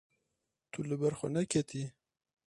Tu li ber xwe neketiyî.